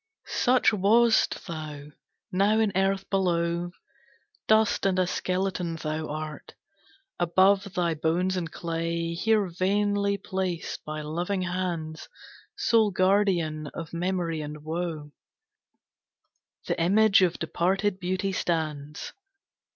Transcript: Such wast thou: now in earth below, Dust and a skeleton thou art. Above thy bones and clay, Here vainly placed by loving hands, Sole guardian of memory and woe, The image of departed beauty stands.